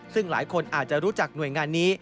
ซึ่งหลายคนอาจจะรู้จักหน่วยงานนี้